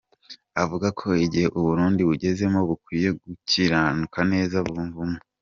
Avuga ko igihe Uburundi bugezemo bukwiye kuzirikana neza ubumwe.